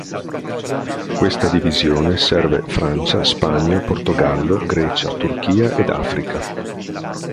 Questa divisione serve Francia, Spagna, Portogallo, Grecia, Turchia ed Africa.